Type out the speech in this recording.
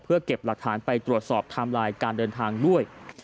เพื่อเก็บหลักฐานไปตรวจสอบไทม์ไลน์การเดินทางด้วย